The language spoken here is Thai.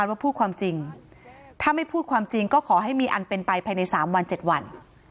ว่าพูดความจริงถ้าไม่พูดความจริงก็ขอให้มีอันเป็นไปภายใน๓วัน๗วัน